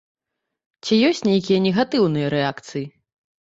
Ці ёсць нейкія негатыўныя рэакцыі?